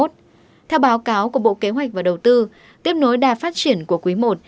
theo báo cáo của bộ kế hoạch và đầu tư tiếp nối đà phát triển của quý i